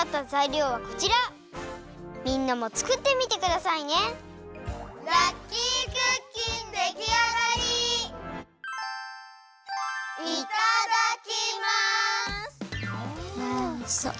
うわおいしそう。